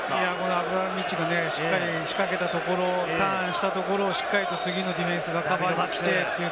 アブラモビッチがしっかり仕掛けたところ、ターンしたところをしっかりと次のディフェンスがカバーに来て。